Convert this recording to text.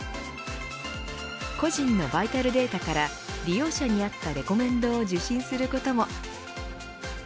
個人のバイタルデータから利用者に合ったレコメンドを受信することも。